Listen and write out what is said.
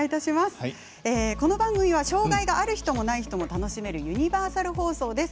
この番組は障がいある人もない人も楽しめるユニバーサル放送です。